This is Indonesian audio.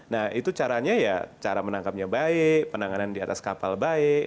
nah itu caranya ya cara menangkapnya baik penanganan di atas kapal baik